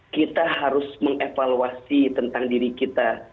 kita harus mengevaluasi tentang diri kita